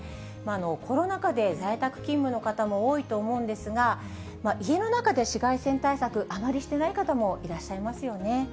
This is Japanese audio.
コロナ禍で在宅勤務の方も多いと思うんですが、家の中で紫外線対策、あまりしてない方もいらっしゃいますよね。